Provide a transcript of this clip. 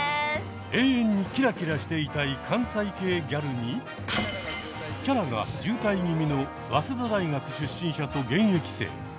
永遠にキラキラしていたい関西系ギャルにキャラが渋滞気味の早稲田大学出身者と現役生。